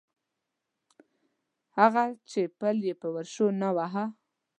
هغه چې پل یې په ورشو نه واهه.